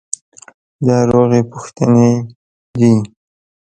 دا روغې پوښتنې دي.